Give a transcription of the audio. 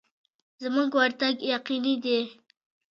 زموږ ورتګ یقیني دی.